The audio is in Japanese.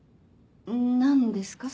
何ですか？